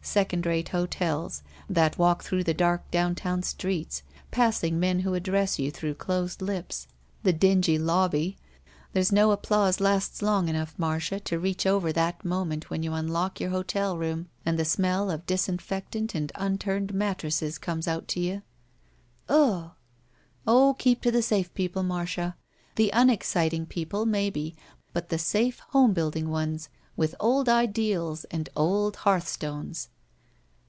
Second rate hotels. That walk through the dark downtown streets. Passing men who address you through closed lips. 153 THE SMUDGE The dingy lobby. There's no applause lasts long enough, Marda, to reach over that moment when you unlock your hotel room and the smell of dis infectant and unturned mattress comes out to you." ••Ugh!" "Oh, keep to the safe people, Marda! The unexciting people, maybe, but the safe home building ones with old ideals and old hearthstones."